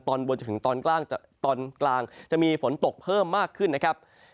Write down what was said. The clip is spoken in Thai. ตอนบนจนถึงตอนกลางจะมีฝนตกเพิ่มมากขึ้นนะครับ